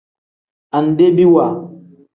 Andebiwa.